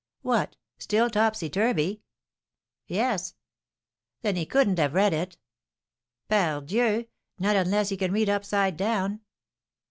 '" "What, still topsy turvy?" "Yes." "Then he couldn't have read it?" "Pardieu! not unless he can read upside down."